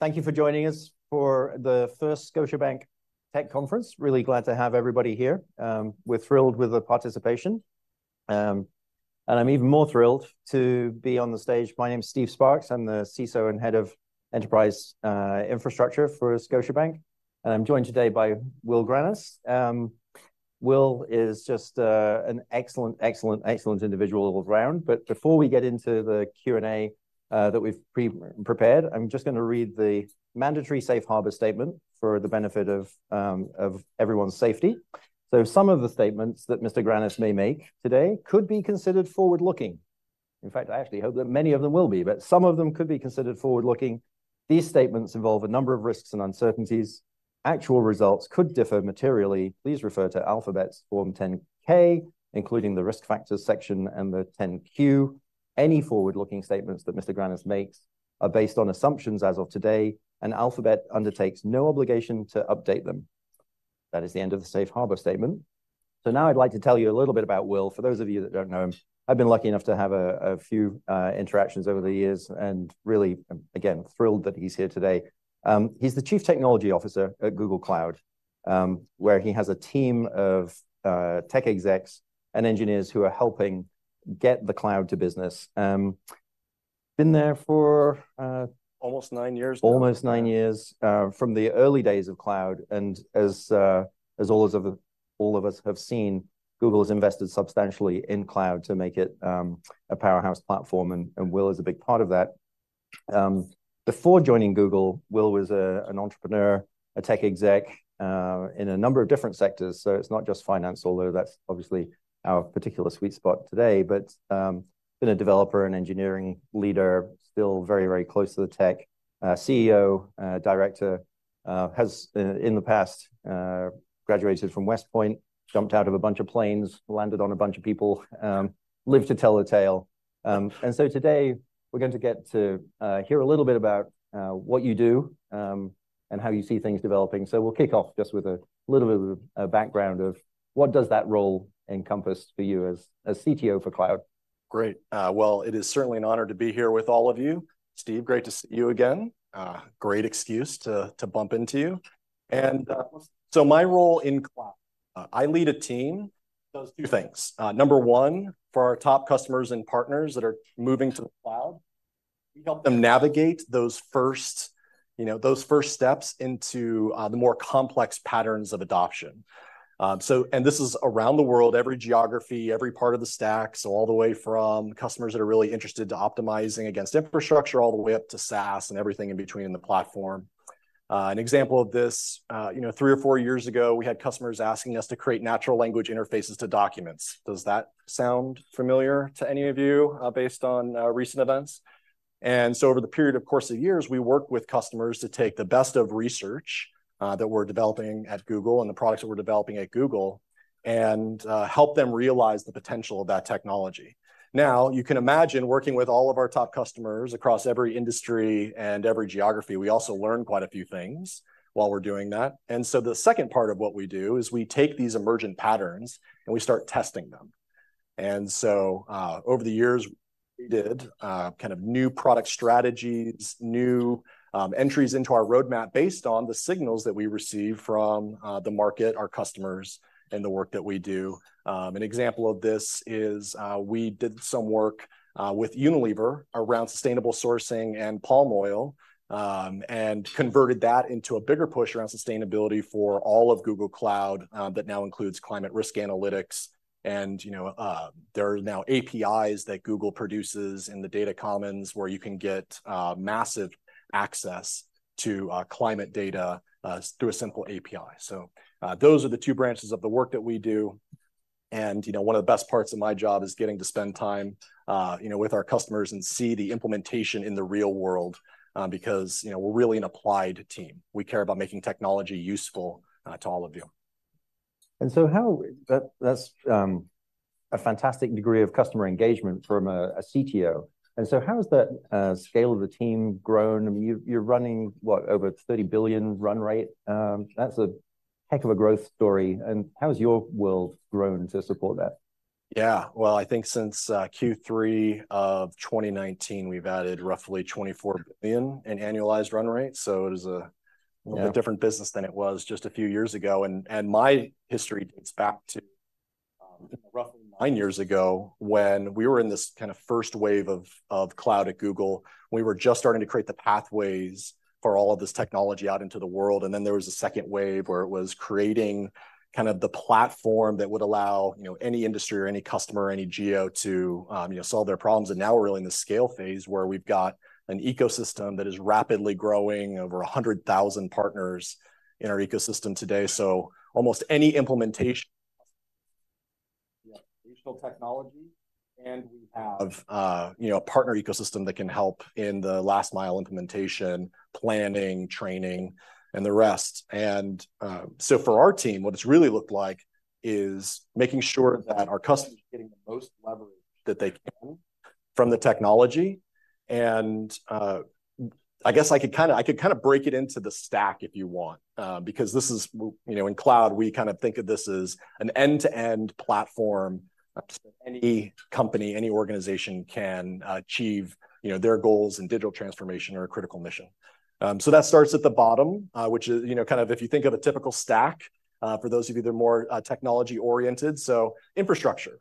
Thank you for joining us for the first Scotiabank Tech Conference. Really glad to have everybody here. We're thrilled with the participation. And I'm even more thrilled to be on the stage. My name is Steve Sparkes. I'm the CISO and Head of Enterprise Infrastructure for Scotiabank. And I'm joined today by Will Grannis. Will is just an excellent, excellent, excellent individual all around. But before we get into the Q&A that we've prepared, I'm just going to read the mandatory Safe Harbor Statement for the benefit of everyone's safety. So some of the statements that Mr. Grannis may make today could be considered forward-looking. In fact, I actually hope that many of them will be, but some of them could be considered forward-looking. These statements involve a number of risks and uncertainties. Actual results could differ materially. Please refer to Alphabet's Form 10-K, including the risk factors section and the 10-Q. Any forward-looking statements that Mr. Grannis makes are based on assumptions as of today, and Alphabet undertakes no obligation to update them. That is the end of the Safe Harbor Statement. So now I'd like to tell you a little bit about Will. For those of you that don't know him, I've been lucky enough to have a few interactions over the years and really, again, thrilled that he's here today. He's the Chief Technology Officer at Google Cloud, where he has a team of tech execs and engineers who are helping get the cloud to business. Been there for almost nine years. Almost nine years from the early days of cloud. And as all of us have seen, Google has invested substantially in cloud to make it a powerhouse platform. And Will is a big part of that. Before joining Google, Will was an entrepreneur, a tech exec in a number of different sectors. So it's not just finance, although that's obviously our particular sweet spot today. But been a developer, an engineering leader, still very, very close to the tech. CEO, Director. Has in the past graduated from West Point, jumped out of a bunch of planes, landed on a bunch of people, lived to tell a tale. And so today, we're going to get to hear a little bit about what you do and how you see things developing. We'll kick off just with a little bit of a background of what does that role encompass for you as CTO for cloud? Great. Well, it is certainly an honor to be here with all of you. Steve, great to see you again. Great excuse to bump into you, and so my role in cloud, I lead a team. Those two things. Number one, for our top customers and partners that are moving to the cloud, we help them navigate those first steps into the more complex patterns of adoption, and this is around the world, every geography, every part of the stack, so all the way from customers that are really interested in optimizing against infrastructure all the way up to SaaS and everything in between in the platform. An example of this, three or four years ago, we had customers asking us to create natural language interfaces to documents. Does that sound familiar to any of you based on recent events? Over the period, of course, of years, we work with customers to take the best of research that we're developing at Google and the products that we're developing at Google and help them realize the potential of that technology. Now, you can imagine working with all of our top customers across every industry and every geography. We also learn quite a few things while we're doing that. The second part of what we do is we take these emergent patterns and we start testing them. Over the years, we did kind of new product strategies, new entries into our roadmap based on the signals that we receive from the market, our customers, and the work that we do. An example of this is we did some work with Unilever around sustainable sourcing and palm oil and converted that into a bigger push around sustainability for all of Google Cloud that now includes climate risk analytics, and there are now APIs that Google produces in the Data Commons where you can get massive access to climate data through a simple API, so those are the two branches of the work that we do, and one of the best parts of my job is getting to spend time with our customers and see the implementation in the real world because we're really an applied team. We care about making technology useful to all of you. And so that's a fantastic degree of customer engagement from a CTO. And so how has the scale of the team grown? You're running, what, over $30 billion run rate? That's a heck of a growth story. And how has your world grown to support that? Yeah. Well, I think since Q3 of 2019, we've added roughly $24 billion in annualized run rate. So it is a little bit different business than it was just a few years ago. And my history dates back to roughly nine years ago when we were in this kind of first wave of cloud at Google. We were just starting to create the pathways for all of this technology out into the world. And then there was a second wave where it was creating kind of the platform that would allow any industry or any customer or anyhow to solve their problems. And now we're really in the scale phase where we've got an ecosystem that is rapidly growing, over 100,000 partners in our ecosystem today. So almost any implementation. Yeah. Regional technology, and we have a partner ecosystem that can help in the last-mile implementation, planning, training, and the rest, and so for our team, what it's really looked like is making sure that our customers are getting the most leverage that they can from the technology, and I guess I could kind of break it into the stack if you want because in cloud, we kind of think of this as an end-to-end platform that any company, any organization can achieve their goals in digital transformation or a critical mission, so that starts at the bottom, which is kind of if you think of a typical stack, for those of you that are more technology-oriented, so infrastructure.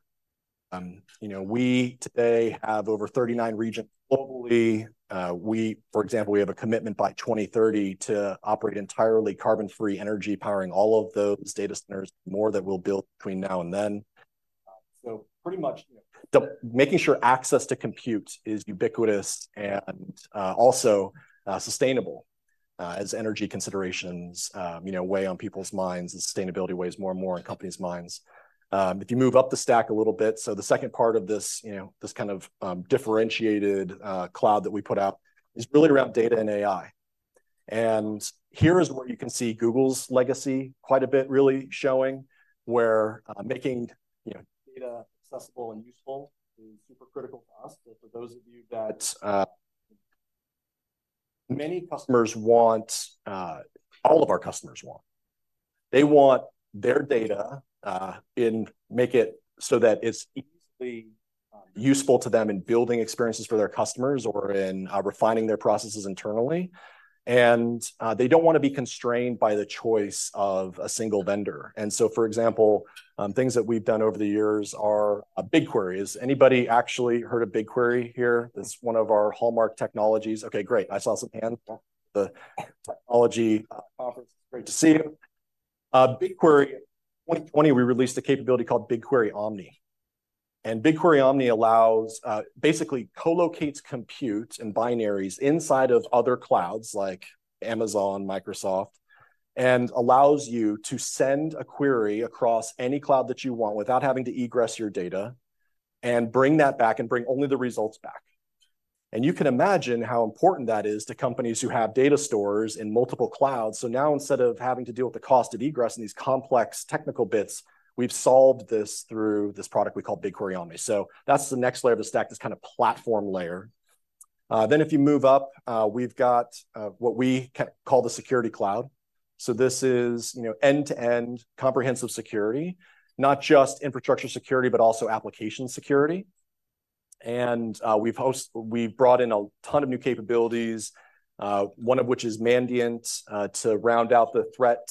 We today have over 39 regions globally. For example, we have a commitment by 2030 to operate entirely on carbon-free energy, powering all of those data centers, more than we'll build between now and then. So pretty much making sure access to compute is ubiquitous and also sustainable as energy considerations weigh on people's minds and sustainability weighs more and more in companies' minds. If you move up the stack a little bit, so the second part of this kind of differentiated cloud that we put up is really around data and AI. And here is where you can see Google's legacy quite a bit, really showing where making data accessible and useful is super critical for us. But for those of you that many customers want, all of our customers want, they want their data and make it so that it's easily useful to them in building experiences for their customers or in refining their processes internally. And they don't want to be constrained by the choice of a single vendor. And so, for example, things that we've done over the years are BigQuery. Has anybody actually heard of BigQuery here? That's one of our hallmark technologies. Okay, great. I saw some hands. The technology conference. Great to see you. BigQuery, 2020, we released a capability called BigQuery Omni. And BigQuery Omni allows basically co-locates compute and binaries inside of other clouds like Amazon, Microsoft, and allows you to send a query across any cloud that you want without having to egress your data and bring that back and bring only the results back. And you can imagine how important that is to companies who have data stores in multiple clouds. So now, instead of having to deal with the cost of egress and these complex technical bits, we've solved this through this product we call BigQuery Omni. So that's the next layer of the stack, this kind of platform layer. Then, if you move up, we've got what we call the Security Cloud. So this is end-to-end comprehensive security, not just infrastructure security, but also application security. And we've brought in a ton of new capabilities, one of which is Mandiant to round out the threat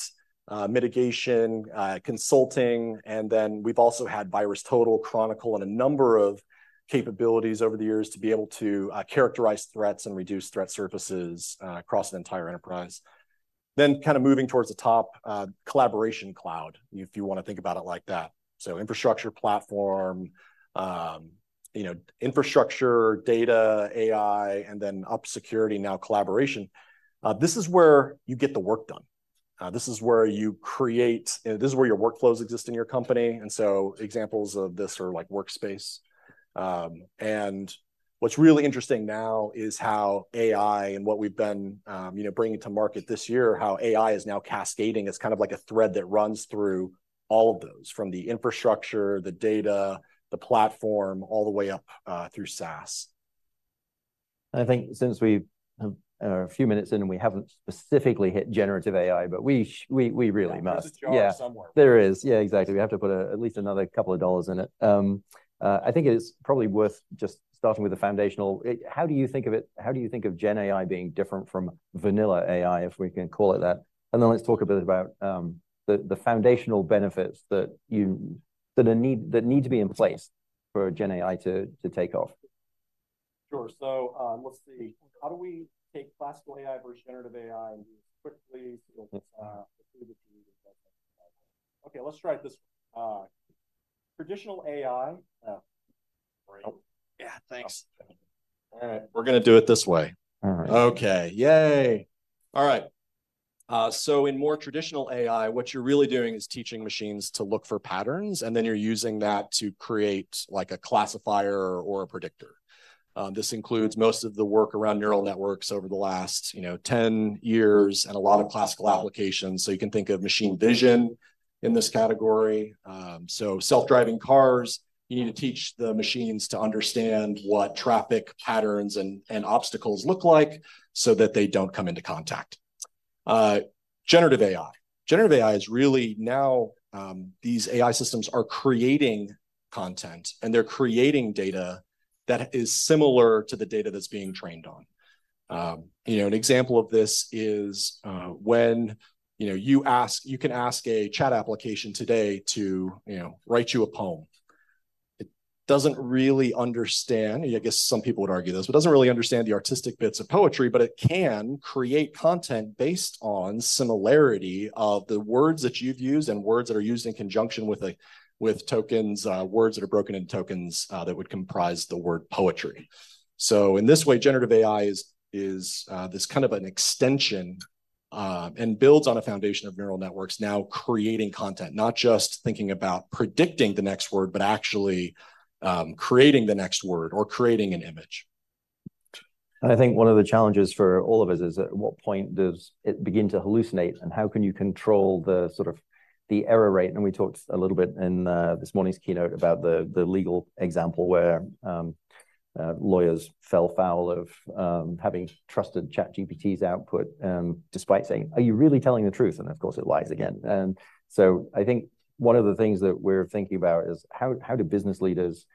mitigation consulting. And then we've also had VirusTotal, Chronicle, and a number of capabilities over the years to be able to characterize threats and reduce threat surfaces across the entire enterprise. Then, kind of moving towards the top, Collaboration Cloud, if you want to think about it like that. So infrastructure platform, infrastructure, data, AI, and then up security, now collaboration. This is where you get the work done. This is where you create, this is where your workflows exist in your company. And so examples of this are like Workspace. And what's really interesting now is how AI and what we've been bringing to market this year, how AI is now cascading. It's kind of like a thread that runs through all of those, from the infrastructure, the data, the platform, all the way up through SaaS. I think since we have a few minutes in, we haven't specifically hit generative AI, but we really must. There is a jar somewhere. Yeah, there is. Yeah, exactly. We have to put at least another couple of dollars in it. I think it is probably worth just starting with the foundational. How do you think of it? How do you think of GenAI being different from vanilla AI, if we can call it that? And then let's talk a bit about the foundational benefits that need to be in place for GenAI to take off. Sure. So let's see. How do we take classical AI versus generative AI quickly? Okay, let's try it this way. Traditional AI. Yeah, thanks. All right. We're going to do it this way. All right. Okay. Yay. All right. So in more traditional AI, what you're really doing is teaching machines to look for patterns, and then you're using that to create a classifier or a predictor. This includes most of the work around neural networks over the last 10 years and a lot of classical applications. So you can think of machine vision in this category. So self-driving cars, you need to teach the machines to understand what traffic patterns and obstacles look like so that they don't come into contact. Generative AI. Generative AI is really now these AI systems are creating content, and they're creating data that is similar to the data that's being trained on. An example of this is when you can ask a chat application today to write you a poem. It doesn't really understand, I guess some people would argue this, but it doesn't really understand the artistic bits of poetry, but it can create content based on similarity of the words that you've used and words that are used in conjunction with tokens, words that are broken into tokens that would comprise the word poetry. So in this way, generative AI is this kind of an extension and builds on a foundation of neural networks, now creating content, not just thinking about predicting the next word, but actually creating the next word or creating an image. I think one of the challenges for all of us is at what point does it begin to hallucinate? And how can you control the sort of error rate? And we talked a little bit in this morning's keynote about the legal example where lawyers fell foul of having trusted ChatGPT's output despite saying, "Are you really telling the truth?" And of course, it lies again. And so I think one of the things that we're thinking about is how do business leaders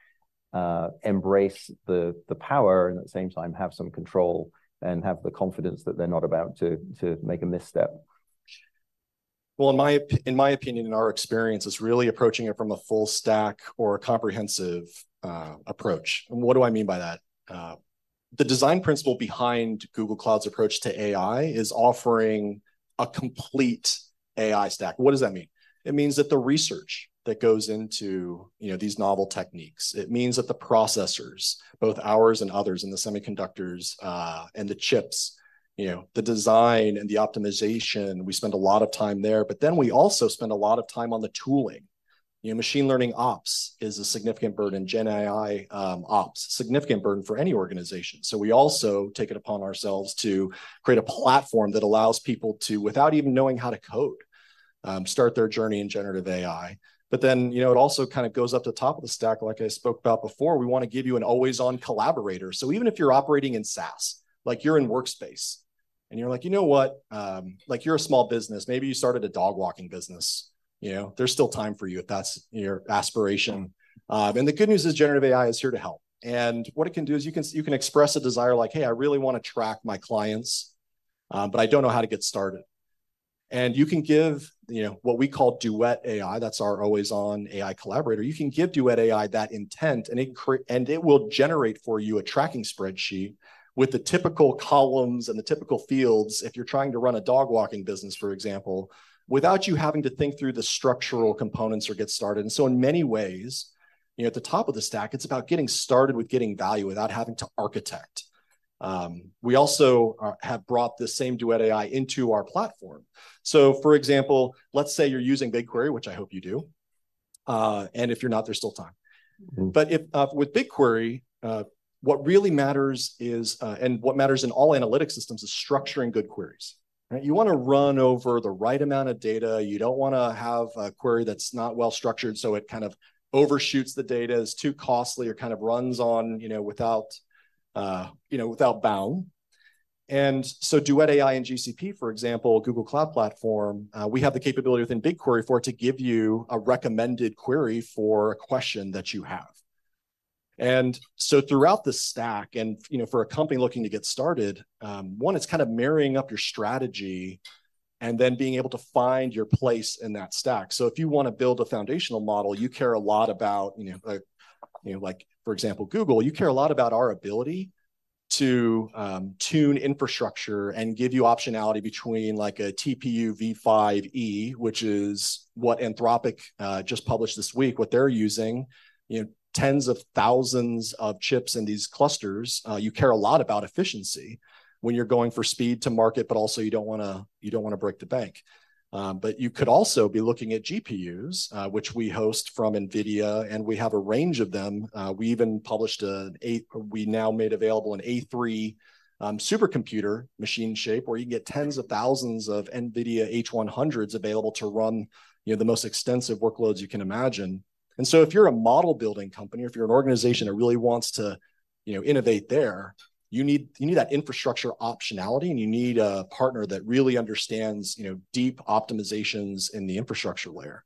embrace the power and at the same time have some control and have the confidence that they're not about to make a misstep? In my opinion, in our experience, it's really approaching it from a full stack or a comprehensive approach. And what do I mean by that? The design principle behind Google Cloud's approach to AI is offering a complete AI stack. What does that mean? It means that the research that goes into these novel techniques, it means that the processors, both ours and others in the semiconductors and the chips, the design and the optimization, we spend a lot of time there. But then we also spend a lot of time on the tooling. Machine learning ops is a significant burden. GenAI Ops, significant burden for any organization. So we also take it upon ourselves to create a platform that allows people to, without even knowing how to code, start their journey in generative AI. But then it also kind of goes up the top of the stack, like I spoke about before. We want to give you an always-on collaborator. So even if you're operating in SaaS, like you're in Workspace, and you're like, you know what, like you're a small business, maybe you started a dog-walking business, there's still time for you if that's your aspiration. And the good news is generative AI is here to help. And what it can do is you can express a desire like, "Hey, I really want to track my clients, but I don't know how to get started." And you can give what we call Duet AI, that's our always-on AI collaborator. You can give Duet AI that intent, and it will generate for you a tracking spreadsheet with the typical columns and the typical fields if you're trying to run a dog-walking business, for example, without you having to think through the structural components or get started and so in many ways, at the top of the stack, it's about getting started with getting value without having to architect. We also have brought the same Duet AI into our platform so for example, let's say you're using BigQuery, which I hope you do and if you're not, there's still time but with BigQuery, what really matters is, and what matters in all analytic systems is structuring good queries. You want to run over the right amount of data. You don't want to have a query that's not well structured, so it kind of overshoots the data, is too costly, or kind of runs without bound. And so Duet AI and GCP, for example, Google Cloud Platform, we have the capability within BigQuery for it to give you a recommended query for a question that you have. And so throughout the stack, and for a company looking to get started, one, it's kind of marrying up your strategy and then being able to find your place in that stack. So if you want to build a foundational model, you care a lot about, like for example, Google, you care a lot about our ability to tune infrastructure and give you optionality between like a TPU v5e, which is what Anthropic just published this week, what they're using, tens of thousands of chips in these clusters. You care a lot about efficiency when you're going for speed to market, but also you don't want to break the bank, but you could also be looking at GPUs, which we host from NVIDIA, and we have a range of them. We even now made available an A3 supercomputer machine shape where you can get tens of thousands of NVIDIA H100s available to run the most extensive workloads you can imagine, and so if you're a model-building company, if you're an organization that really wants to innovate there, you need that infrastructure optionality, and you need a partner that really understands deep optimizations in the infrastructure layer.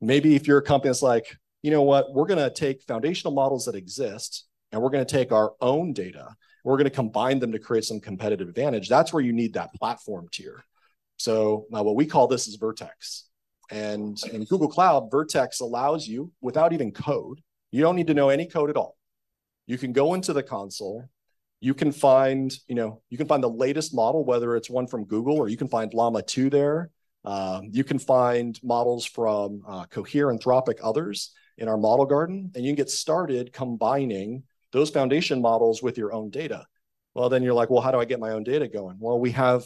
Maybe if you're a company that's like, you know what, we're going to take foundational models that exist, and we're going to take our own data, and we're going to combine them to create some competitive advantage, that's where you need that platform tier. So what we call this is Vertex. And in Google Cloud, Vertex allows you, without even code, you don't need to know any code at all. You can go into the console, you can find the latest model, whether it's one from Google, or you can find Llama 2 there. You can find models from Cohere, Anthropic, others in our Model Garden, and you can get started combining those foundation models with your own data. Well, then you're like, well, how do I get my own data going? Well, we have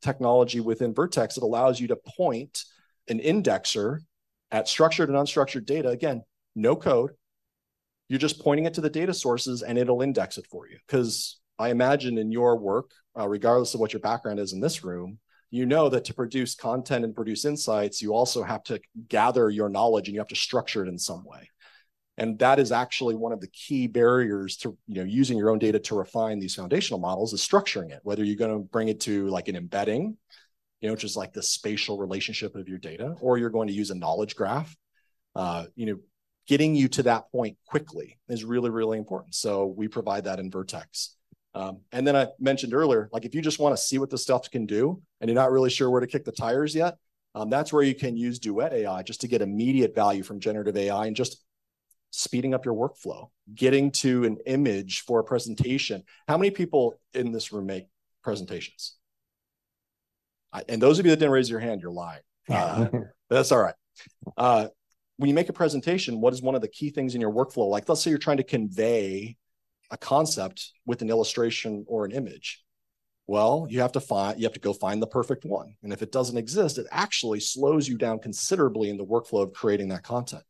technology within Vertex that allows you to point an indexer at structured and unstructured data. Again, no code. You're just pointing it to the data sources, and it'll index it for you. Because I imagine in your work, regardless of what your background is in this room, you know that to produce content and produce insights, you also have to gather your knowledge, and you have to structure it in some way. And that is actually one of the key barriers to using your own data to refine these foundational models is structuring it, whether you're going to bring it to like an embedding, which is like the spatial relationship of your data, or you're going to use a knowledge graph. Getting you to that point quickly is really, really important. So we provide that in Vertex. And then I mentioned earlier, like if you just want to see what the stuff can do, and you're not really sure where to kick the tires yet, that's where you can use Duet AI just to get immediate value from generative AI and just speeding up your workflow. Getting to an image for a presentation. How many people in this room make presentations? And those of you that didn't raise your hand, you're lying. That's all right. When you make a presentation, what is one of the key things in your workflow? Like let's say you're trying to convey a concept with an illustration or an image. Well, you have to go find the perfect one. And if it doesn't exist, it actually slows you down considerably in the workflow of creating that content.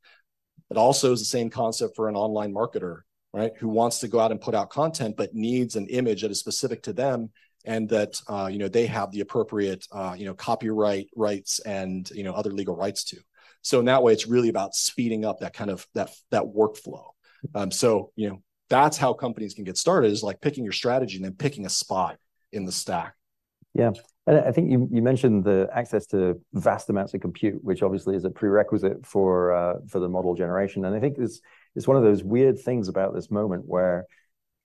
It also is the same concept for an online marketer who wants to go out and put out content, but needs an image that is specific to them and that they have the appropriate copyright rights and other legal rights to. So in that way, it's really about speeding up that kind of workflow. So that's how companies can get started is like picking your strategy and then picking a spot in the stack. Yeah. And I think you mentioned the access to vast amounts of compute, which obviously is a prerequisite for the model generation. And I think it's one of those weird things about this moment where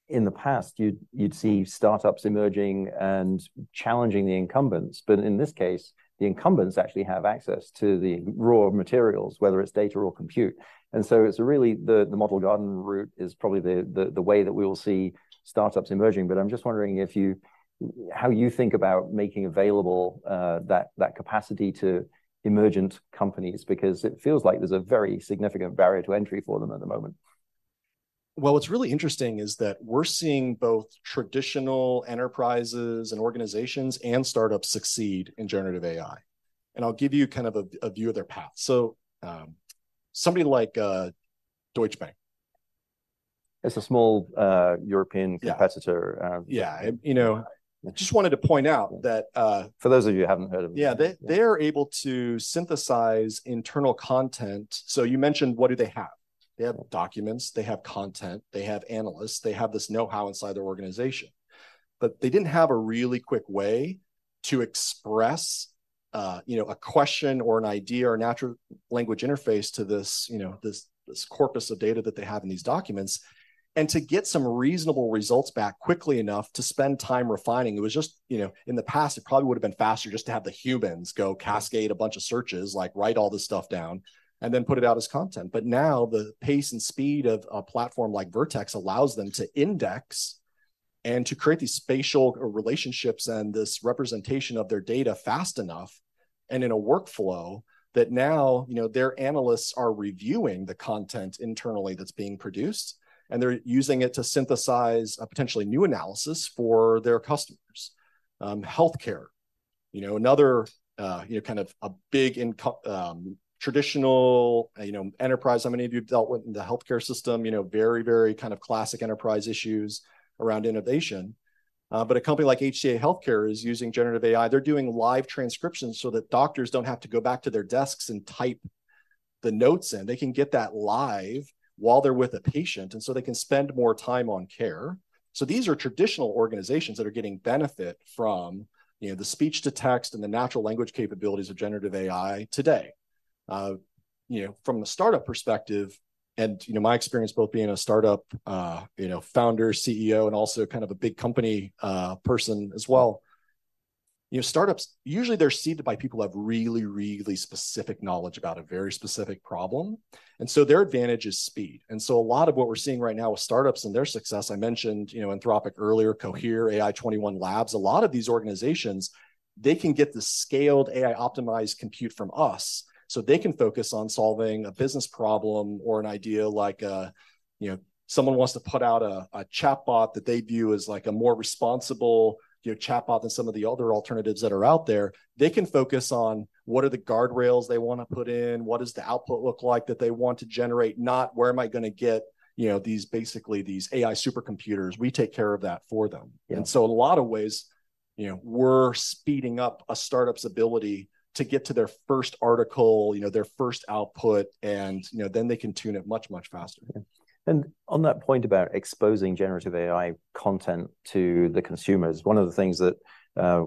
in the past, you'd see startups emerging and challenging the incumbents. But in this case, the incumbents actually have access to the raw materials, whether it's data or compute. And so it's really the Model Garden route is probably the way that we will see startups emerging. But I'm just wondering how you think about making available that capacity to emergent companies because it feels like there's a very significant barrier to entry for them at the moment. What's really interesting is that we're seeing both traditional enterprises and organizations and startups succeed in generative AI. I'll give you kind of a view of their path. Somebody like Deutsche Bank. It's a small European capacitor. Yeah. I just wanted to point out that. For those of you who haven't heard of it. Yeah, they are able to synthesize internal content. So you mentioned what do they have? They have documents, they have content, they have analysts, they have this know-how inside their organization. But they didn't have a really quick way to express a question or an idea or natural language interface to this corpus of data that they have in these documents and to get some reasonable results back quickly enough to spend time refining. It was just in the past. It probably would have been faster just to have the humans go cascade a bunch of searches, like write all this stuff down, and then put it out as content. But now the pace and speed of a platform like Vertex allows them to index and to create these spatial relationships and this representation of their data fast enough and in a workflow that now their analysts are reviewing the content internally that's being produced, and they're using it to synthesize a potentially new analysis for their customers. Healthcare, another kind of a big traditional enterprise. How many of you have dealt with the healthcare system? Very, very kind of classic enterprise issues around innovation, but a company like HCA Healthcare is using generative AI. They're doing live transcriptions so that doctors don't have to go back to their desks and type the notes in. They can get that live while they're with a patient, and so they can spend more time on care. So these are traditional organizations that are getting benefit from the speech-to-text and the natural language capabilities of generative AI today. From a startup perspective, and my experience both being a startup founder, CEO, and also kind of a big company person as well, startups usually they're seeded by people who have really, really specific knowledge about a very specific problem. And so their advantage is speed. And so a lot of what we're seeing right now with startups and their success, I mentioned Anthropic earlier, Cohere, AI21 Labs, a lot of these organizations, they can get the scaled AI-optimized compute from us. So they can focus on solving a business problem or an idea like someone wants to put out a chatbot that they view as like a more responsible chatbot than some of the other alternatives that are out there. They can focus on what are the guardrails they want to put in, what does the output look like that they want to generate, not where am I going to get these basically these AI supercomputers. We take care of that for them, and so in a lot of ways, we're speeding up a startup's ability to get to their first article, their first output, and then they can tune it much, much faster. And on that point about exposing generative AI content to the consumers, one of the things that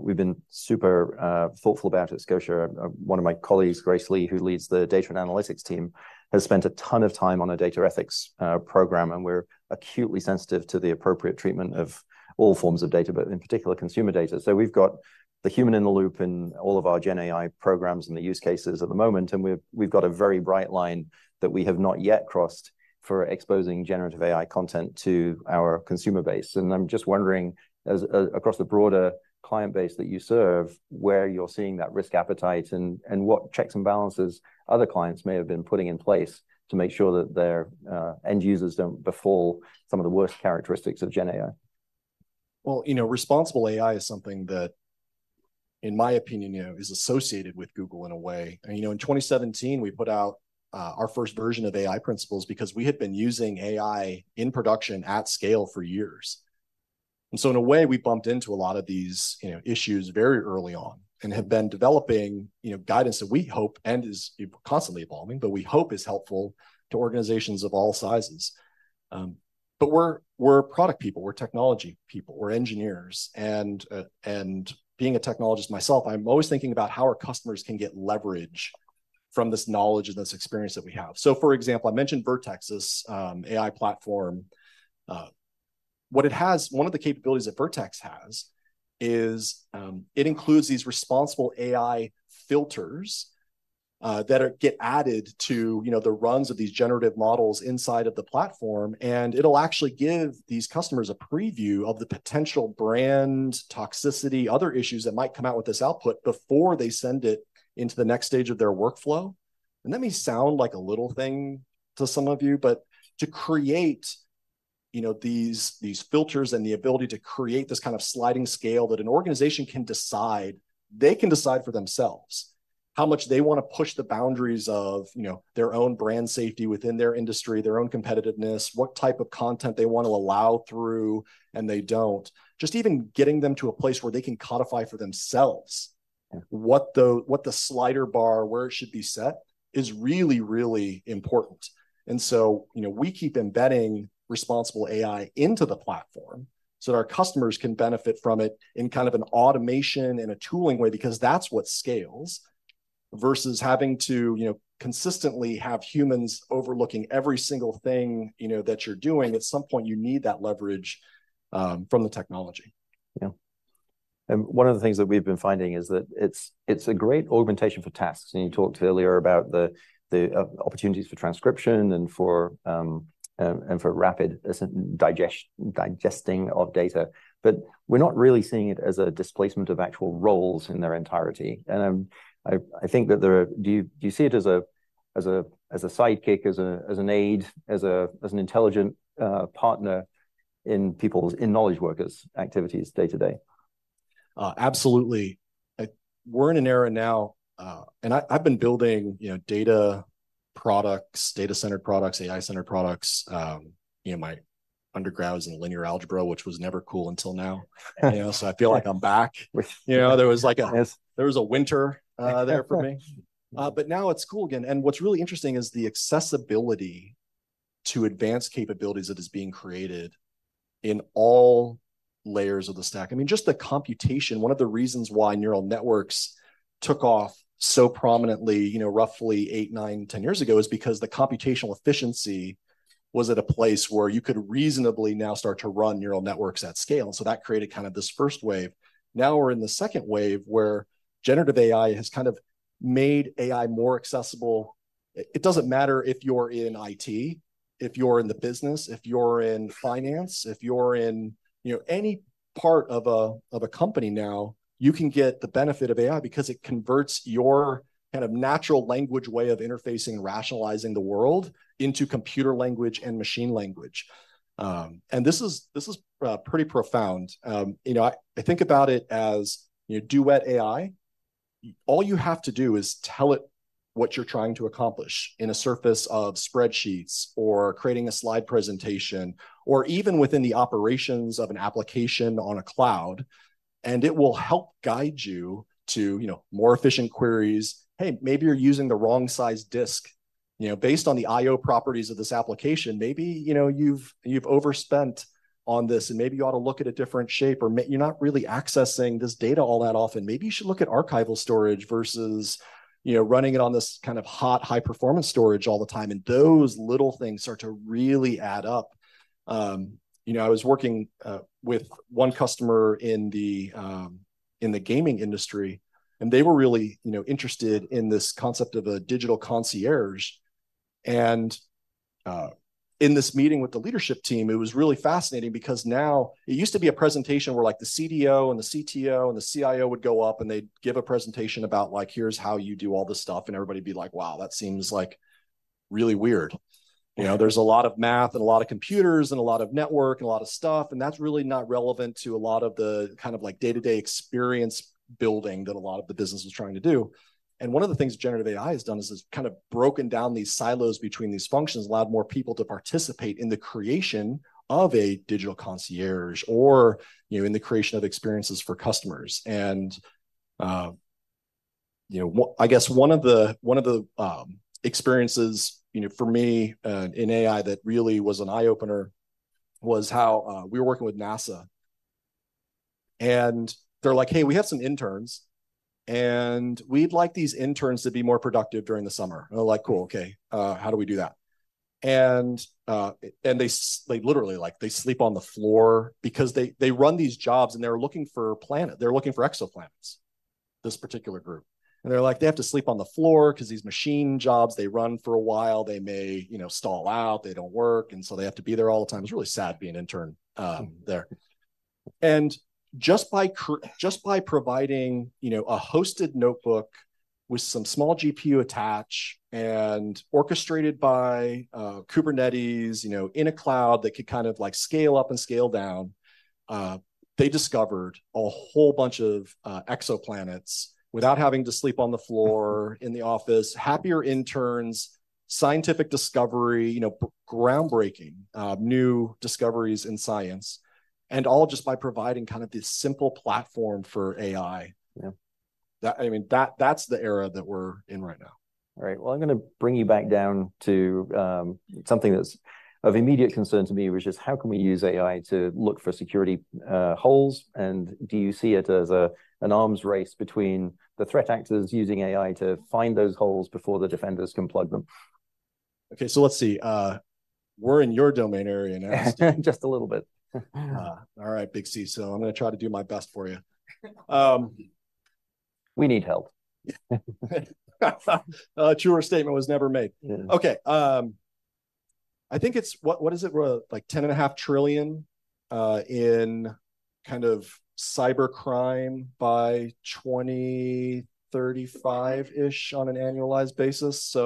we've been super thoughtful about at Scotia, one of my colleagues, Grace Lee, who leads the data and analytics team, has spent a ton of time on a data ethics program, and we're acutely sensitive to the appropriate treatment of all forms of data, but in particular, consumer data. So we've got the human in the loop in all of our Gen AI programs and the use cases at the moment, and we've got a very bright line that we have not yet crossed for exposing generative AI content to our consumer base. I'm just wondering, across the broader client base that you serve, where you're seeing that risk appetite and what checks and balances other clients may have been putting in place to make sure that their end users don't befall some of the worst characteristics of Gen AI? Responsible AI is something that, in my opinion, is associated with Google in a way. In 2017, we put out our first version of AI principles because we had been using AI in production at scale for years. In a way, we bumped into a lot of these issues very early on and have been developing guidance that we hope and is constantly evolving, but we hope is helpful to organizations of all sizes. We're product people, we're technology people, we're engineers. Being a technologist myself, I'm always thinking about how our customers can get leverage from this knowledge and this experience that we have. For example, I mentioned Vertex AI platform. One of the capabilities that Vertex has is it includes these responsible AI filters that get added to the runs of these generative models inside of the platform, and it'll actually give these customers a preview of the potential brand toxicity, other issues that might come out with this output before they send it into the next stage of their workflow, and that may sound like a little thing to some of you, but to create these filters and the ability to create this kind of sliding scale that an organization can decide, they can decide for themselves how much they want to push the boundaries of their own brand safety within their industry, their own competitiveness, what type of content they want to allow through and they don't. Just even getting them to a place where they can codify for themselves what the slider bar, where it should be set is really, really important. And so we keep embedding responsible AI into the platform so that our customers can benefit from it in kind of an automation and a tooling way because that's what scales versus having to consistently have humans overlooking every single thing that you're doing. At some point, you need that leverage from the technology. Yeah. And one of the things that we've been finding is that it's a great augmentation for tasks. And you talked earlier about the opportunities for transcription and for rapid digesting of data. But we're not really seeing it as a displacement of actual roles in their entirety. And I think that. Do you see it as a sidekick, as an aid, as an intelligent partner in knowledge workers' activities day to day? Absolutely. We're in an era now, and I've been building data products, data-centered products, AI-centered products. My undergrad was in linear algebra, which was never cool until now. So I feel like I'm back. There was like a winter there for me. But now it's cool again. And what's really interesting is the accessibility to advanced capabilities that is being created in all layers of the stack. I mean, just the computation, one of the reasons why neural networks took off so prominently roughly eight, nine, ten years ago is because the computational efficiency was at a place where you could reasonably now start to run neural networks at scale. So that created kind of this first wave. Now we're in the second wave where generative AI has kind of made AI more accessible. It doesn't matter if you're in IT, if you're in the business, if you're in finance, if you're in any part of a company now, you can get the benefit of AI because it converts your kind of natural language way of interfacing and rationalizing the world into computer language and machine language. And this is pretty profound. I think about it as Duet AI. All you have to do is tell it what you're trying to accomplish in a sea of spreadsheets or creating a slide presentation or even within the operations of an application on a cloud. And it will help guide you to more efficient queries. Hey, maybe you're using the wrong size disk. Based on the I/O properties of this application, maybe you've overspent on this and maybe you ought to look at a different shape or you're not really accessing this data all that often. Maybe you should look at archival storage versus running it on this kind of hot, high-performance storage all the time, and those little things start to really add up. I was working with one customer in the gaming industry, and they were really interested in this concept of a digital concierge, and in this meeting with the leadership team, it was really fascinating because now it used to be a presentation where the CDO and the CTO and the CIO would go up and they'd give a presentation about like, "Here's how you do all this stuff," and everybody would be like, "Wow, that seems like really weird." There's a lot of math and a lot of computers and a lot of network and a lot of stuff. That's really not relevant to a lot of the kind of day-to-day experience building that a lot of the business was trying to do. One of the things generative AI has done is it's kind of broken down these silos between these functions, allowed more people to participate in the creation of a digital concierge or in the creation of experiences for customers. I guess one of the experiences for me in AI that really was an eye-opener was how we were working with NASA. They're like, "Hey, we have some interns, and we'd like these interns to be more productive during the summer." They're like, "Cool, okay. How do we do that?" They literally sleep on the floor because they run these jobs and they're looking for planets. They're looking for exoplanets, this particular group. They're like, "They have to sleep on the floor because these machine jobs, they run for a while, they may stall out, they don't work, and so they have to be there all the time." It's really sad being an intern there. Just by providing a hosted notebook with some small GPU attached and orchestrated by Kubernetes in a cloud that could kind of scale up and scale down, they discovered a whole bunch of exoplanets without having to sleep on the floor in the office, happier interns, scientific discovery, groundbreaking new discoveries in science, and all just by providing kind of this simple platform for AI. I mean, that's the era that we're in right now. All right, well, I'm going to bring you back down to something that's of immediate concern to me, which is how can we use AI to look for security holes, and do you see it as an arms race between the threat actors using AI to find those holes before the defenders can plug them? Okay, so let's see. We're in your domain area now. Just a little bit. All right, Big C. So I'm going to try to do my best for you. We need help. Truer statement was never made. Okay. I think it's, what is it, like $10.5 trillion in kind of cybercrime by 2035-ish on an annualized basis.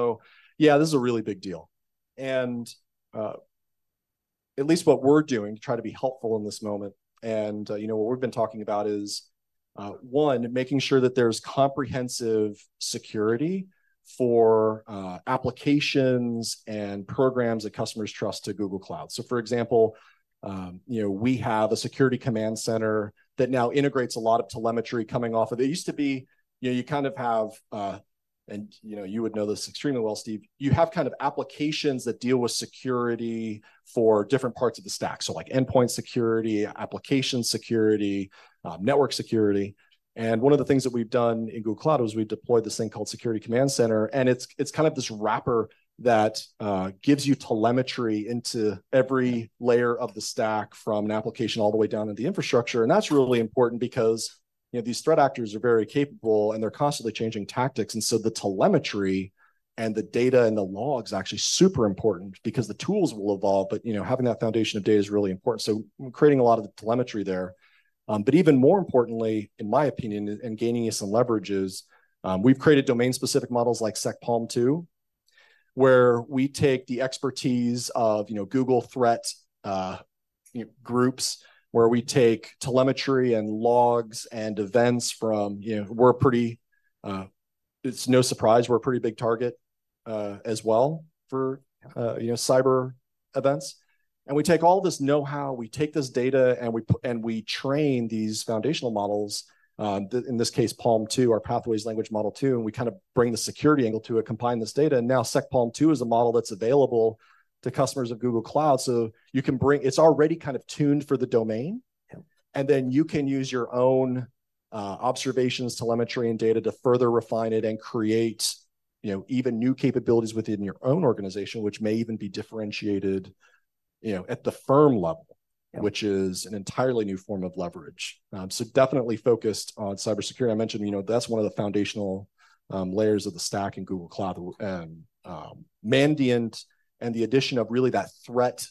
Yeah, this is a really big deal, and at least what we're doing to try to be helpful in this moment, and what we've been talking about is one, making sure that there's comprehensive security for applications and programs that customers trust to Google Cloud. For example, we have a Security Command Center that now integrates a lot of telemetry coming off of it. It used to be you kind of have, and you would know this extremely well, Steve, you have kind of applications that deal with security for different parts of the stack. Like endpoint security, application security, network security. One of the things that we've done in Google Cloud is we've deployed this thing called Security Command Center. It's kind of this wrapper that gives you telemetry into every layer of the stack from an application all the way down to the infrastructure. That's really important because these threat actors are very capable and they're constantly changing tactics. The telemetry and the data and the logs are actually super important because the tools will evolve, but having that foundation of data is really important. So creating a lot of the telemetry there. But even more importantly, in my opinion, and gaining some leverages, we've created domain-specific models like Sec-PaLM 2, where we take the expertise of Google Threat groups, where we take telemetry and logs and events from it. It's no surprise we're a pretty big target as well for cyber events. And we take all this know-how, we take this data, and we train these foundational models, in this case, PaLM 2, our Pathways Language Model 2, and we kind of bring the security angle to it, combine this data. And now Sec-PaLM 2 is a model that's available to customers of Google Cloud. So you can bring it's already kind of tuned for the domain. And then you can use your own observations, telemetry, and data to further refine it and create even new capabilities within your own organization, which may even be differentiated at the firm level, which is an entirely new form of leverage. So definitely focused on cybersecurity. I mentioned that's one of the foundational layers of the stack in Google Cloud. Mandiant and the addition of really that threat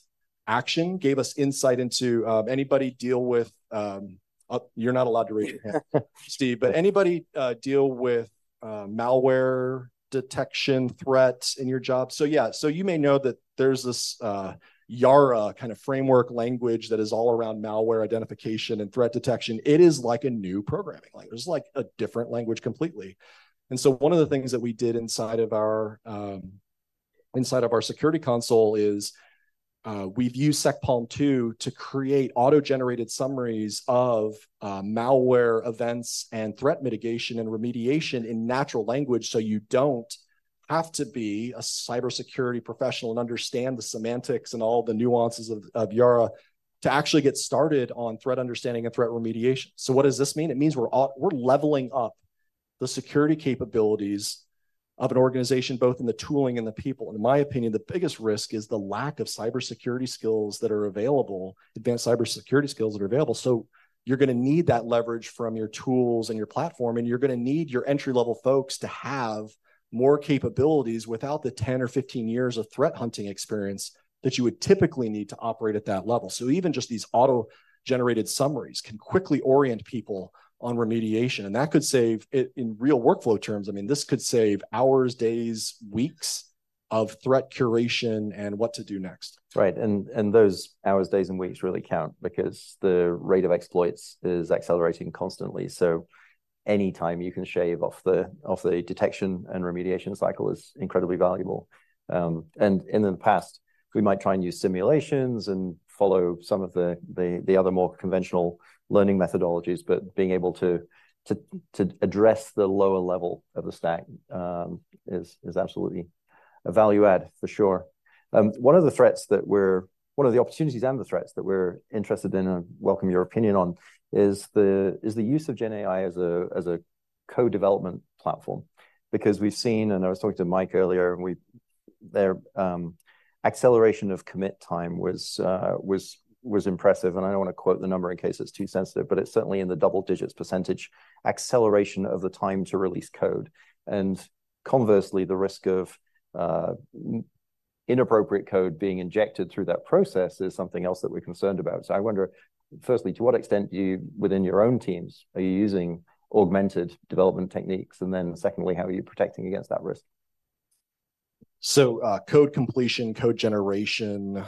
actor gave us insight into anybody that deals with malware detection threats in your job. You're not allowed to raise your hand, Steve, but anybody that deals with malware detection threats in your job. So yeah, you may know that there's this YARA kind of framework language that is all around malware identification and threat detection. It is like a new programming language. It's like a different language completely. And so one of the things that we did inside of our security console is we've used Sec-PaLM 2 to create auto-generated summaries of malware events and threat mitigation and remediation in natural language so you don't have to be a cybersecurity professional and understand the semantics and all the nuances of YARA to actually get started on threat understanding and threat remediation. So what does this mean? It means we're leveling up the security capabilities of an organization, both in the tooling and the people. And in my opinion, the biggest risk is the lack of cybersecurity skills that are available, advanced cybersecurity skills that are available. So you're going to need that leverage from your tools and your platform, and you're going to need your entry-level folks to have more capabilities without the 10 or 15 years of threat hunting experience that you would typically need to operate at that level. So even just these auto-generated summaries can quickly orient people on remediation. And that could save, in real workflow terms, I mean, this could save hours, days, weeks of threat curation and what to do next. Right, and those hours, days, and weeks really count because the rate of exploits is accelerating constantly, so anytime you can shave off the detection and remediation cycle is incredibly valuable, and in the past, we might try and use simulations and follow some of the other more conventional learning methodologies, but being able to address the lower level of the stack is absolutely a value add for sure. One of the threats, one of the opportunities and the threats that we're interested in and welcome your opinion on is the use of GenAI as a co-development platform because we've seen, and I was talking to Mike earlier, and their acceleration of commit time was impressive. And I don't want to quote the number in case it's too sensitive, but it's certainly in the double digits percentage acceleration of the time to release code. And conversely, the risk of inappropriate code being injected through that process is something else that we're concerned about. So I wonder, firstly, to what extent within your own teams, are you using augmented development techniques? And then secondly, how are you protecting against that risk? Code completion, code generation,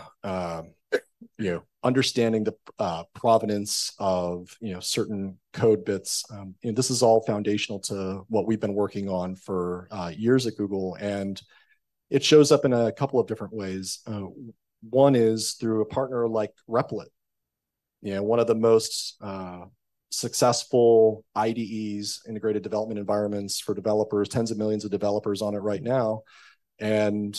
understanding the provenance of certain code bits, this is all foundational to what we've been working on for years at Google. And it shows up in a couple of different ways. One is through a partner like Replit, one of the most successful IDEs, Integrated Development Environments for developers, tens of millions of developers on it right now. And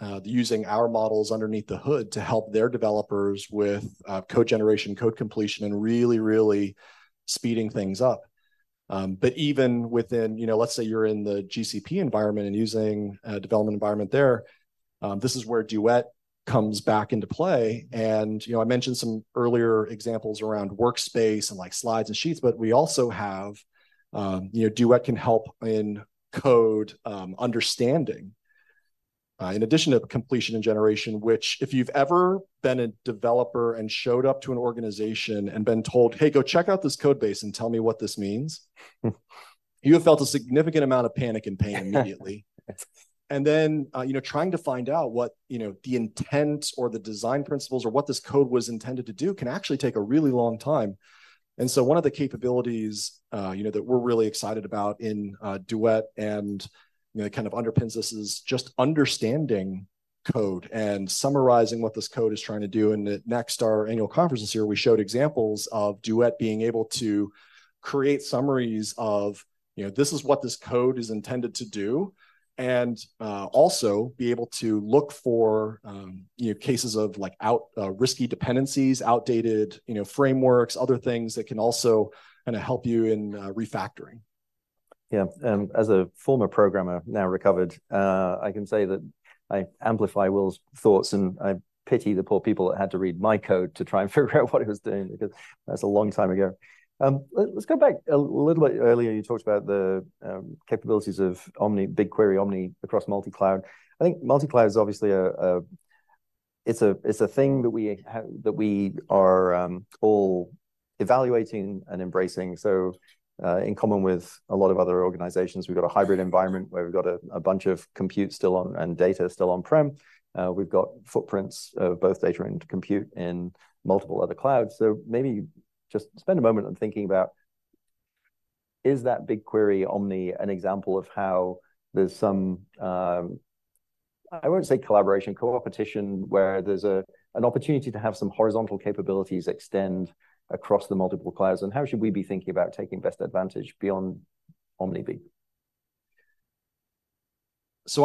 they're using our models underneath the hood to help their developers with code completion and really, really speeding things up. But even within, let's say you're in the GCP environment and using a development environment there, this is where Duet comes back into play. And I mentioned some earlier examples around workspace and slides and sheets, but we also have Duet can help in code understanding in addition to completion and generation, which if you've ever been a developer and showed up to an organization and been told, "Hey, go check out this code base and tell me what this means," you have felt a significant amount of panic and pain immediately. And then trying to find out what the intent or the design principles or what this code was intended to do can actually take a really long time. And so one of the capabilities that we're really excited about in Duet and kind of underpins this is just understanding code and summarizing what this code is trying to do. Next, our annual conference this year, we showed examples of Duet being able to create summaries of, "This is what this code is intended to do," and also be able to look for cases of risky dependencies, outdated frameworks, other things that can also kind of help you in refactoring. Yeah, and as a former programmer now recovered, I can say that I amplify Will's thoughts and I pity the poor people that had to read my code to try and figure out what it was doing because that's a long time ago. Let's go back a little bit earlier. You talked about the capabilities of BigQuery Omni across multi-cloud. I think multi-cloud is obviously a thing that we are all evaluating and embracing. So in common with a lot of other organizations, we've got a hybrid environment where we've got a bunch of compute still on and data still on-prem. We've got footprints of both data and compute in multiple other clouds. Maybe just spend a moment on thinking about, is that BigQuery Omni an example of how there's some, I won't say collaboration, co-opetition, where there's an opportunity to have some horizontal capabilities extend across the multiple clouds? And how should we be thinking about taking best advantage beyond Omni?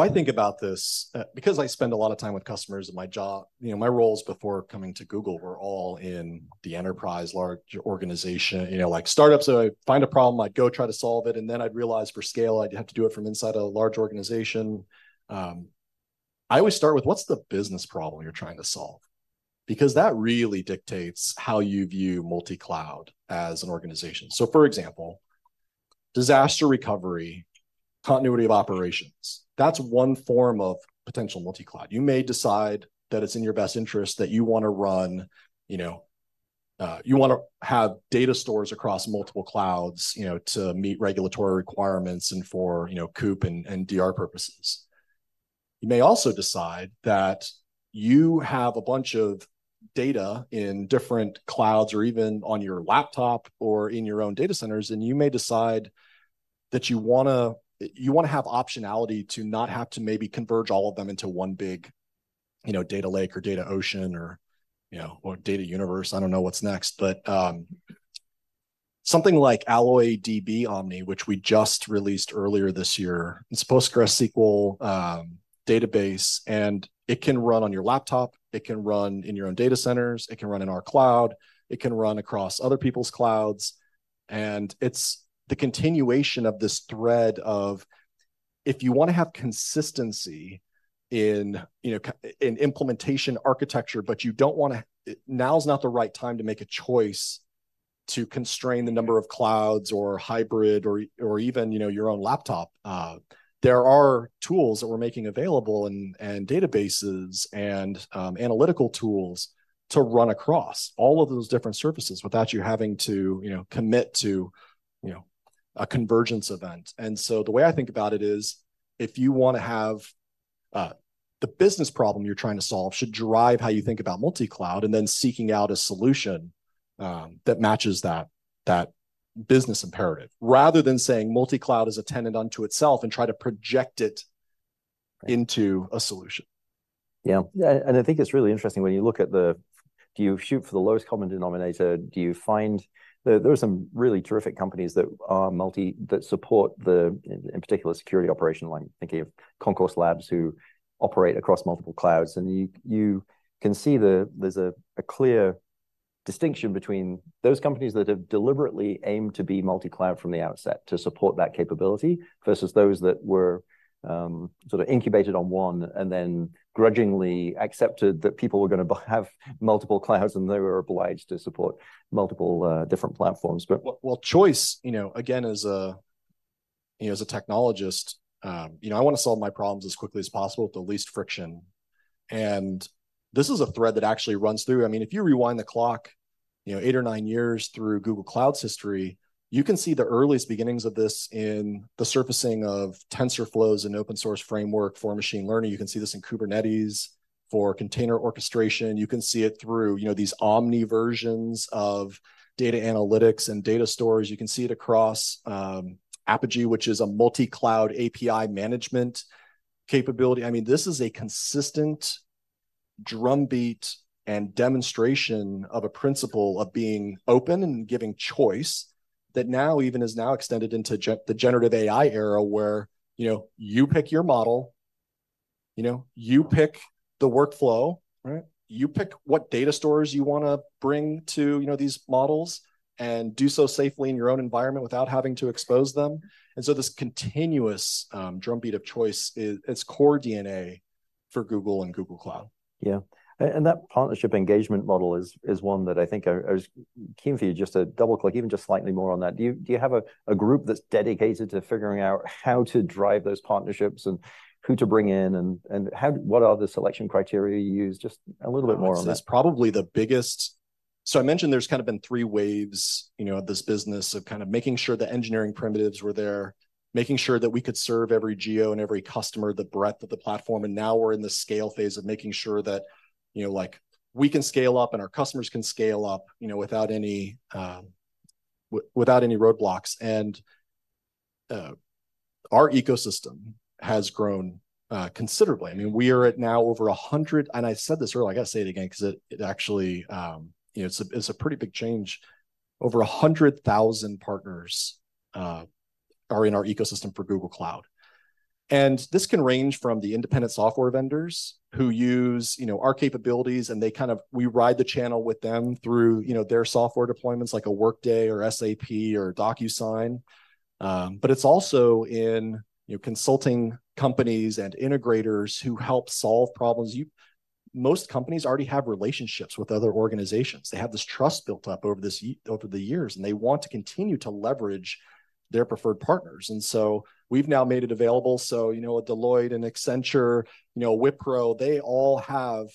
I think about this because I spend a lot of time with customers in my job. My roles before coming to Google were all in the enterprise large organization. Like startups, I find a problem, I'd go try to solve it, and then I'd realize for scale, I'd have to do it from inside a large organization. I always start with, what's the business problem you're trying to solve? Because that really dictates how you view multi-cloud as an organization. For example, disaster recovery, continuity of operations, that's one form of potential multi-cloud. You may decide that it's in your best interest that you want to run, you want to have data stores across multiple clouds to meet regulatory requirements and for COOP and DR purposes. You may also decide that you have a bunch of data in different clouds or even on your laptop or in your own data centers, and you may decide that you want to have optionality to not have to maybe converge all of them into one big data lake or data ocean or data universe. I don't know what's next, but something like AlloyDB Omni, which we just released earlier this year, it's a PostgreSQL database, and it can run on your laptop. It can run in your own data centers. It can run in our cloud. It can run across other people's clouds. It's the continuation of this thread of if you want to have consistency in implementation architecture, but you don't want to. Now's not the right time to make a choice to constrain the number of clouds or hybrid or even your own laptop. There are tools that we're making available and databases and analytical tools to run across all of those different surfaces without you having to commit to a convergence event. So the way I think about it is if you want to have the business problem you're trying to solve should drive how you think about multi-cloud and then seeking out a solution that matches that business imperative rather than saying multi-cloud is a tenet unto itself and try to project it into a solution. Yeah. And I think it's really interesting when you look at the, do you shoot for the lowest common denominator? Do you find there are some really terrific companies that support the, in particular, security operation, like thinking of Concourse Labs who operate across multiple clouds. And you can see there's a clear distinction between those companies that have deliberately aimed to be multi-cloud from the outset to support that capability versus those that were sort of incubated on one and then grudgingly accepted that people were going to have multiple clouds and they were obliged to support multiple different platforms. Well, choice, again, as a technologist, I want to solve my problems as quickly as possible with the least friction. And this is a thread that actually runs through. I mean, if you rewind the clock eight or nine years through Google Cloud's history, you can see the earliest beginnings of this in the surfacing of TensorFlow, an open-source framework for machine learning. You can see this in Kubernetes for container orchestration. You can see it through these Omni versions of data analytics and data stores. You can see it across Apigee, which is a multi-cloud API Management capability. I mean, this is a consistent drumbeat and demonstration of a principle of being open and giving choice that now even is extended into the generative AI era where you pick your model, you pick the workflow, you pick what data stores you want to bring to these models and do so safely in your own environment without having to expose them, and so this continuous drumbeat of choice, it's core DNA for Google and Google Cloud. Yeah. And that partnership engagement model is one that I think I was keen for you just to double-click even just slightly more on that. Do you have a group that's dedicated to figuring out how to drive those partnerships and who to bring in and what are the selection criteria you use? Just a little bit more on that. This is probably the biggest. So I mentioned there's kind of been three waves of this business of kind of making sure the engineering primitives were there, making sure that we could serve every geo and every customer the breadth of the platform. And now we're in the scale phase of making sure that we can scale up and our customers can scale up without any roadblocks. And our ecosystem has grown considerably. I mean, we are at now over 100, and I said this earlier, I got to say it again because it actually is a pretty big change. Over 100,000 partners are in our ecosystem for Google Cloud. And this can range from the independent software vendors who use our capabilities, and they kind of we ride the channel with them through their software deployments like a Workday or SAP or Docusign. But it's also in consulting companies and integrators who help solve problems. Most companies already have relationships with other organizations. They have this trust built up over the years, and they want to continue to leverage their preferred partners. And so we've now made it available. So at Deloitte, Accenture, Wipro, they all have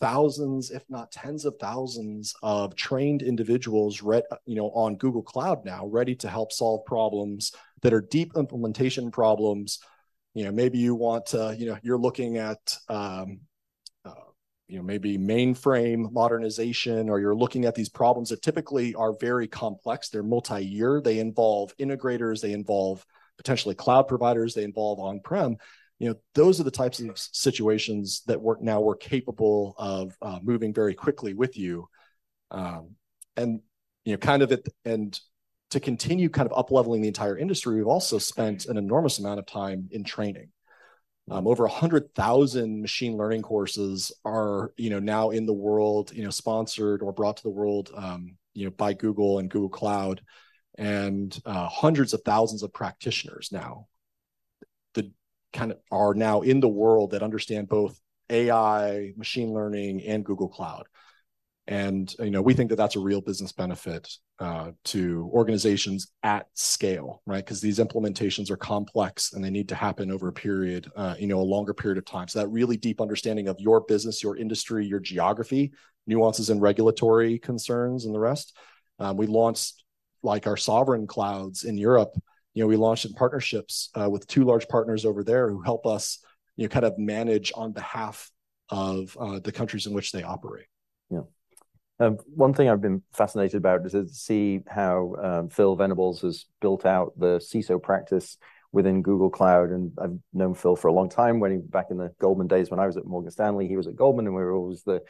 thousands, if not tens of thousands of trained individuals on Google Cloud now ready to help solve problems that are deep implementation problems. Maybe you want to, you're looking at maybe mainframe modernization, or you're looking at these problems that typically are very complex. They're multi-year. They involve integrators. They involve potentially cloud providers. They involve on-prem. Those are the types of situations that now we're capable of moving very quickly with you. And kind of to continue kind of upleveling the entire industry, we've also spent an enormous amount of time in training. Over 100,000 machine learning courses are now in the world sponsored or brought to the world by Google and Google Cloud and hundreds of thousands of practitioners now that are now in the world that understand both AI, machine learning, and Google Cloud. And we think that that's a real business benefit to organizations at scale because these implementations are complex and they need to happen over a period, a longer period of time. So that really deep understanding of your business, your industry, your geography, nuances and regulatory concerns and the rest. We launched our sovereign clouds in Europe. We launched in partnerships with two large partners over there who help us kind of manage on behalf of the countries in which they operate. Yeah. One thing I've been fascinated about is to see how Phil Venables has built out the CISO practice within Google Cloud. And I've known Phil for a long time back in the Goldman days when I was at Morgan Stanley. He was at Goldman, and we were always the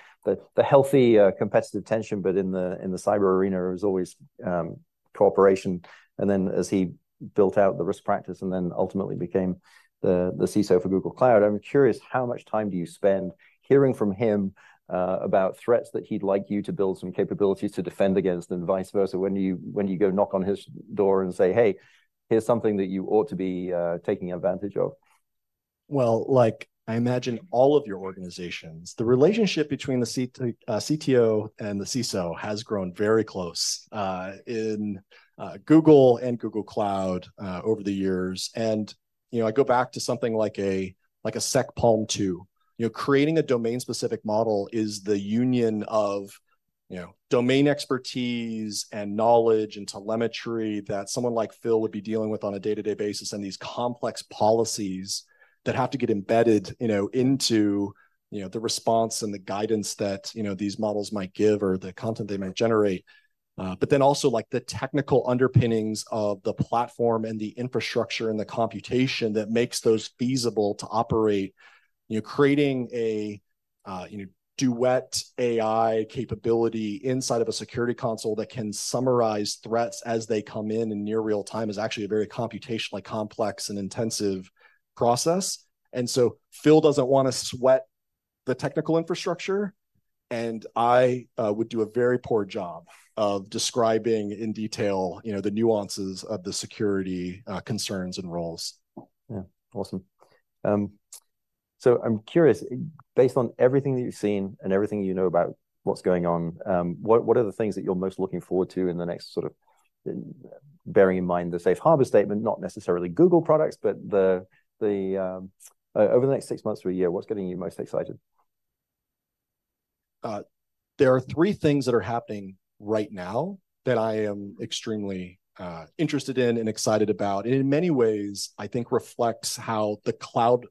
healthy competitive tension. But in the cyber arena, it was always cooperation. And then as he built out the risk practice and then ultimately became the CISO for Google Cloud. I'm curious how much time do you spend hearing from him about threats that he'd like you to build some capabilities to defend against and vice versa when you go knock on his door and say, "Hey, here's something that you ought to be taking advantage of"? Like I imagine all of your organizations, the relationship between the CTO and the CISO has grown very close in Google and Google Cloud over the years. I go back to something like a Sec-PaLM 2. Creating a domain-specific model is the union of domain expertise and knowledge and telemetry that someone like Phil would be dealing with on a day-to-day basis and these complex policies that have to get embedded into the response and the guidance that these models might give or the content they might generate. Then also the technical underpinnings of the platform and the infrastructure and the computation that makes those feasible to operate. Creating a Duet AI capability inside of a security console that can summarize threats as they come in in near real time is actually a very computationally complex and intensive process. And so Phil doesn't want to sweat the technical infrastructure, and I would do a very poor job of describing in detail the nuances of the security concerns and roles. Yeah. Awesome, so I'm curious, based on everything that you've seen and everything you know about what's going on, what are the things that you're most looking forward to in the next sort of, bearing in mind the Safe Harbor Statement, not necessarily Google products, but over the next six months or a year, what's getting you most excited? There are three things that are happening right now that I am extremely interested in and excited about. And in many ways, I think, reflects how the cloud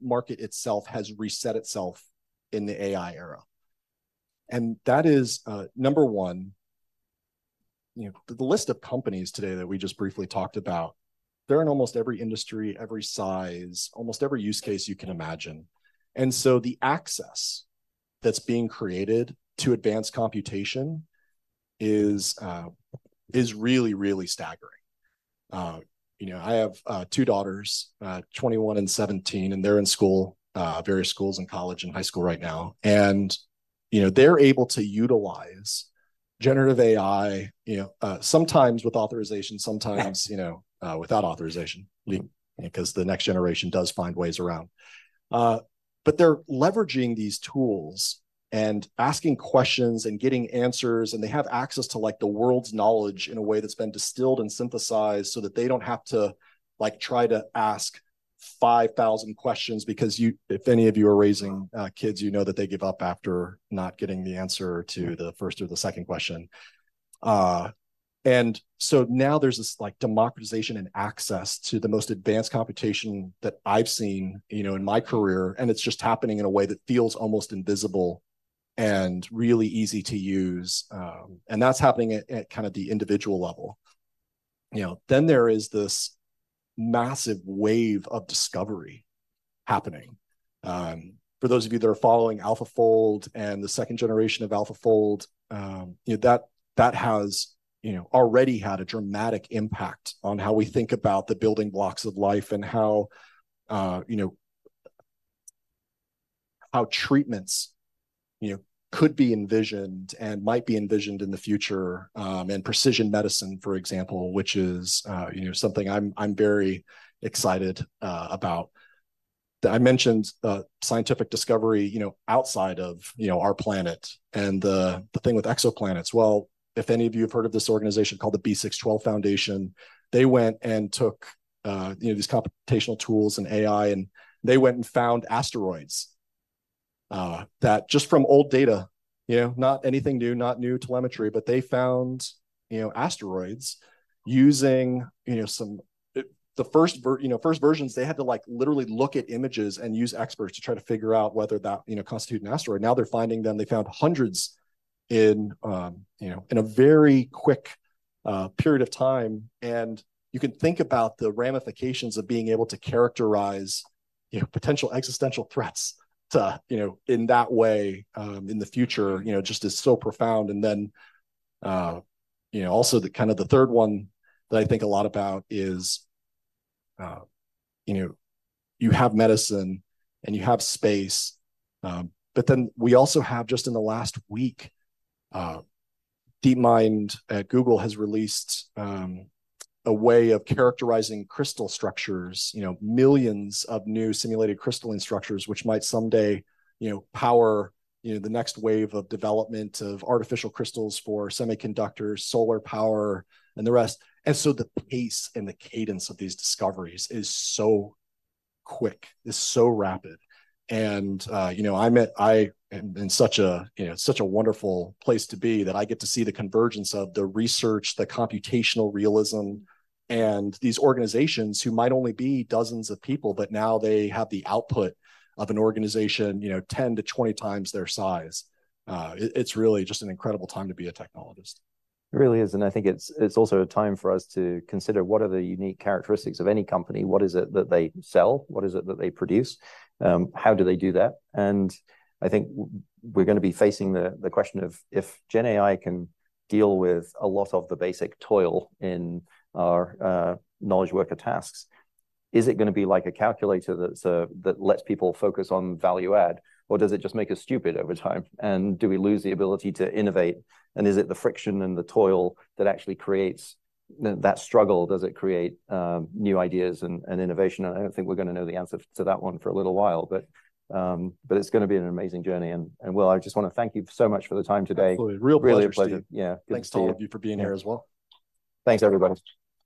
market itself has reset itself in the AI era. And that is, number one, the list of companies today that we just briefly talked about, they're in almost every industry, every size, almost every use case you can imagine. And so the access that's being created to advanced computation is really, really staggering. I have two daughters, 21 and 17, and they're in school, various schools and college and high school right now. And they're able to utilize generative AI, sometimes with authorization, sometimes without authorization because the next generation does find ways around. But they're leveraging these tools and asking questions and getting answers. And they have access to the world's knowledge in a way that's been distilled and synthesized so that they don't have to try to ask 5,000 questions because if any of you are raising kids, you know that they give up after not getting the answer to the first or the second question. And so now there's this democratization and access to the most advanced computation that I've seen in my career. And it's just happening in a way that feels almost invisible and really easy to use. And that's happening at kind of the individual level. Then there is this massive wave of discovery happening. For those of you that are following AlphaFold and the second generation of AlphaFold, that has already had a dramatic impact on how we think about the building blocks of life and how treatments could be envisioned and might be envisioned in the future and precision medicine, for example, which is something I'm very excited about. I mentioned scientific discovery outside of our planet and the thing with exoplanets. Well, if any of you have heard of this organization called the B612 Foundation, they went and took these computational tools and AI, and they went and found asteroids that just from old data, not anything new, not new telemetry, but they found asteroids using some of the first versions, they had to literally look at images and use experts to try to figure out whether that constituted an asteroid. Now they're finding them. They found hundreds in a very quick period of time. And you can think about the ramifications of being able to characterize potential existential threats in that way in the future just is so profound. And then also kind of the third one that I think a lot about is you have medicine and you have space. But then we also have just in the last week, DeepMind at Google has released a way of characterizing crystal structures, millions of new simulated crystalline structures, which might someday power the next wave of development of artificial crystals for semiconductors, solar power, and the rest. And so the pace and the cadence of these discoveries is so quick, is so rapid. I'm in such a wonderful place to be that I get to see the convergence of the research, the computational realism, and these organizations who might only be dozens of people, but now they have the output of an organization 10-20x their size. It's really just an incredible time to be a technologist. It really is. And I think it's also a time for us to consider what are the unique characteristics of any company? What is it that they sell? What is it that they produce? How do they do that? And I think we're going to be facing the question of if GenAI can deal with a lot of the basic toil in our knowledge worker tasks. Is it going to be like a calculator that lets people focus on value add, or does it just make us stupid over time? And do we lose the ability to innovate? And is it the friction and the toil that actually creates that struggle? Does it create new ideas and innovation? And I don't think we're going to know the answer to that one for a little while, but it's going to be an amazing journey. I just want to thank you so much for the time today. Absolutely. Real pleasure. Really a pleasure. Yeah. Thanks to all of you for being here as well. Thanks, everybody.